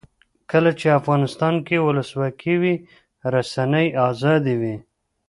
کله چې افغانستان کې ولسواکي وي رسنۍ آزادې وي.